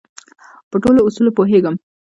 په ټولو اصولو پوهېږم.